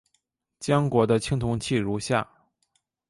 江国的青铜器如下。